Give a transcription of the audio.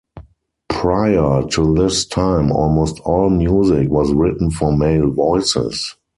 Prior to this time almost all music was written for male voices.